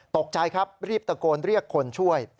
ตกใจครับรีบตะโกนเรียกคนช่วย